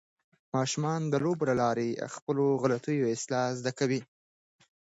ماشومان د لوبو له لارې د خپلو غلطیو اصلاح زده کوي.